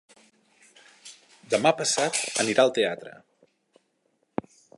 Demà passat anirà al teatre.